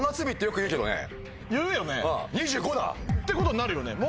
言うよね。ってことになるよね？